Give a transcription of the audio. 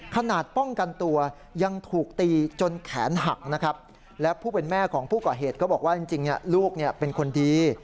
ขนาดป้องกันตัวยังถูกตีจนแขนหักนะครับและผู้เป็นแม่ของผู้ก่อเหตุก็บอกว่าจริงลูกเป็นคนดี